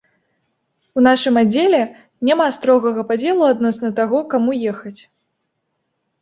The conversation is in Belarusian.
У нашым аддзеле няма строгага падзелу адносна таго, каму ехаць.